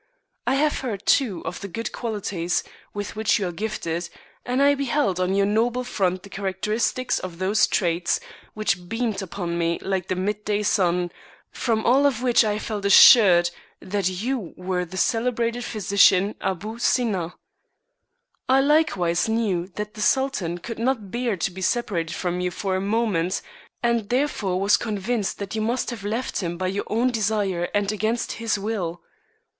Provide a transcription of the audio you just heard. I have heard too of the good qualities with which you are gifted, and I beheld on your noble front the characteristics of those traits, which beamed upon me like the midday sun; from all of which I felt assured that you wer^ the celebrated physician Aboo Sinna. I likewise knew that the Sultan could not bear to be sep arated from you for a moment, and therefore was con vinced that you must have left him by your own desire and against his will."